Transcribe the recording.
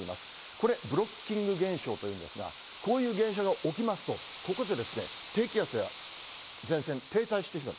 これ、ブロッキング現象というんですが、こういう現象が起きますと、ここで低気圧や前線、停滞してしまう。